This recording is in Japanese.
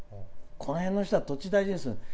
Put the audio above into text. この辺の人は土地を大事にする。